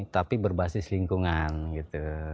tapi berbasis lingkungan gitu